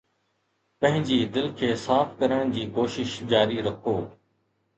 پنهنجي دل کي صاف ڪرڻ جي ڪوشش جاري رکو